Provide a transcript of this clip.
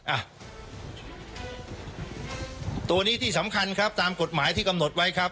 อ่ะตัวนี้ที่สำคัญครับตามกฎหมายที่กำหนดไว้ครับ